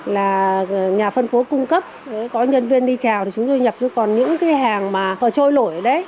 là nhà phân phối cung cấp có nhân viên đi trào thì chúng tôi nhập chứ còn những cái hàng mà trôi lổi đấy